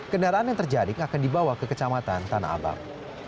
kendaraan yang terjadi akan dibawa ke kecamatan tanah abang